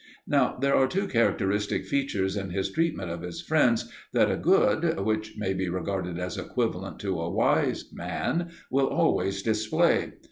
Now there are two characteristic features in his treatment of his friends that a good (which may be regarded as equivalent to a wise) man will always display.